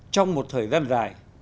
trong một thời gian dài